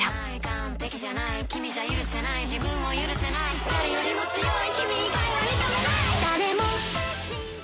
完璧じゃない君じゃ許せない自分を許せない誰よりも強い君以外は認めないみたいな。